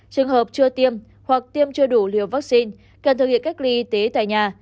trường hợp chưa tiêm hoặc tiêm chưa đủ liều vaccine cần thực hiện cách ly y tế tại nhà